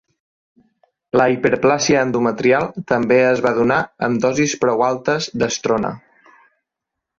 La hiperplàsia endometrial també es va donar amb dosis prou altes d'estrona.